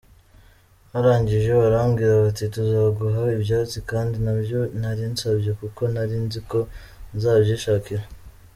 Barangije barambwira bati tuzaguha ibyatsi kandi ntabyo nari nsabye kuko nari nziko nzabyishakira.